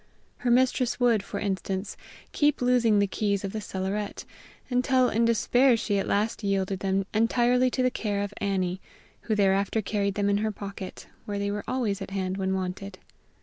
Her mistress would, for instance, keep losing the keys of the cellaret, until in despair she at last yielded them entirely to the care of Annie, who thereafter carried them in her pocket, where they were always at hand when wanted.